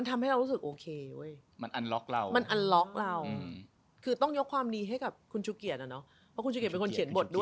ใช่แล้วตัวละครมันก็ยิ่งแบบ